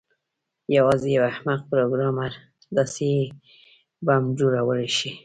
یوازې یو احمق پروګرامر داسې بم جوړولی شي